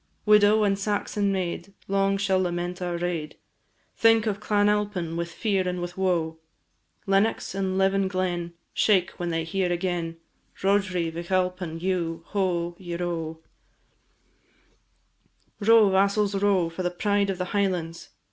Widow and Saxon maid Long shall lament our raid, Think of Clan Alpine with fear and with woe; Lennox and Leven Glen Shake when they hear agen, Roderigh Vich Alpine dhu, ho! ieroe! Row, vassals, row, for the pride of the Highlands!